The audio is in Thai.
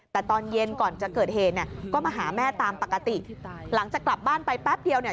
แต่ตอนเย็นก่อนจะเกิดเหตุเนี่ยก็มาหาแม่ตามปกติหลังจากกลับบ้านไปแป๊บเดียวเนี่ย